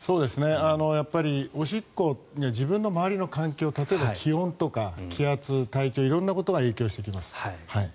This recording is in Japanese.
やっぱりおしっこ自分の周りの環境例えば気温とか気圧とか体調、色んなことが影響してきます。